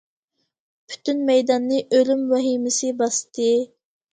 پۈتۈن مەيداننى ئۆلۈم ۋەھىمىسى باستى.